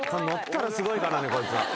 ノッたらすごいからね。